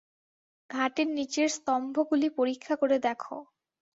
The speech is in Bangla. ঘাটের নিচের স্তম্ভগুলি পরীক্ষা করে দেখো।